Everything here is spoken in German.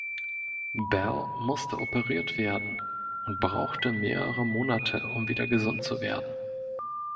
Bell musste operiert werden und brauchte mehrere Monate, um wieder gesund zu werden.